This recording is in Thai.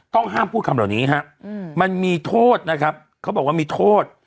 ต้องห้ามพูดคำเหล่านี้ฮะมันมีโทษนะครับเขาบอกว่ามีโทษ